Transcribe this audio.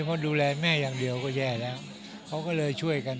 เพราะดูแลแม่อย่างเดียวก็แย่แล้วเขาก็เลยช่วยกัน